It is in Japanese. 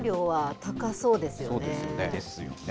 そうですね。